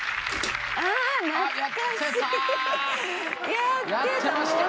やってた！